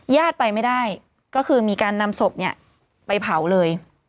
ญาติไปไม่ได้ก็คือมีการนำศพเนี่ยไปเผาเลย